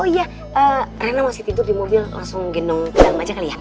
oh iya rena masih tidur di mobil langsung gendong dalam aja kali ya